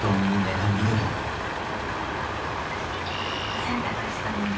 お洗濯したもの